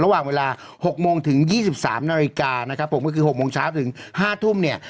ระหว่างเวลาหกโมงถึงยี่สิบสามนาฬิกานะครับผมก็คือหกโมงเช้าถึงห้าทุ่มเนี่ย